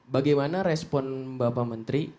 bagaimana respon bapak menteri